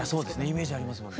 イメージありますもんね。